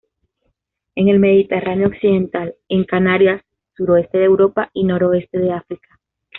En el Mediterráneo occidental, en Canarias, suroeste de Europa y noroeste de África.